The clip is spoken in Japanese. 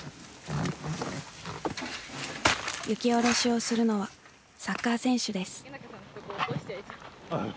雪下ろしをするのはサッカー選手です。